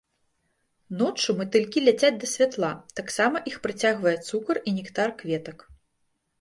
Ноччу матылькі ляцяць да святла, таксама іх прыцягвае цукар і нектар кветак.